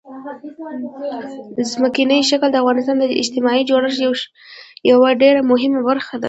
ځمکنی شکل د افغانستان د اجتماعي جوړښت یوه ډېره مهمه برخه ده.